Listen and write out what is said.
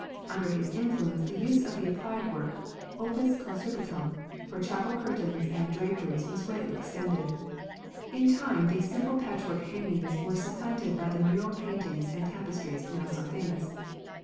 Under his influence the use of the applied work, opus conservetum, for chapel curtains and draperies was greatly extended. In time these simple patchwork hangings were supplanted by the mural paintings and tapestries now so famous.